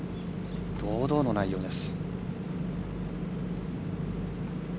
堂々の内容です。